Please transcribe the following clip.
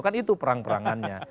kan itu perang perangannya